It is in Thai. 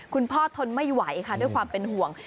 คุณพ่อทนไม่ไหวค่ะด้วยความเป็นห่วง